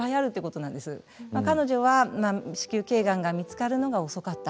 彼女は子宮けいがんが見つかるのが遅かった。